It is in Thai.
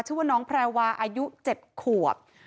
ชื่อว่าน้องแพรวาอายุ๗ขวบ